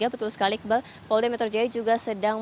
betul sekali iqbal polda metro jaya juga sedang